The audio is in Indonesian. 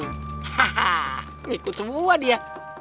haha ngikut semua dia